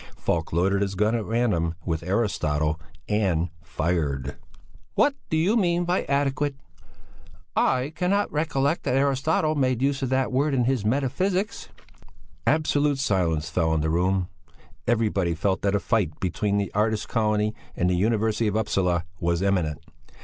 Falk loaded his gun at random with Aristotle and fired. "What do you mean by adequate? I cannot recollect that Aristotle made use of that word in his Metaphysics." Absolute silence fell on the room; everybody felt that a fight between the artist's colony and the University of Upsala was imminent.